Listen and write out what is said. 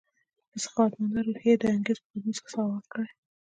په سخاوتمندانه روحیه یې د انګریز په پطنوس کې سوغات کړې.